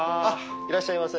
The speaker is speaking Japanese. いらっしゃいませ。